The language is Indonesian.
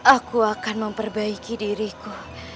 aku akan memperbaiki diriku